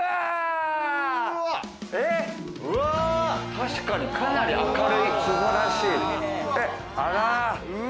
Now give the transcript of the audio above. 確かに、かなり明るい！